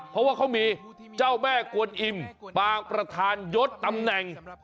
เพราะว่าเขามีเจ้าแม่กวนอิ่มปางประธานยศตำแหน่ง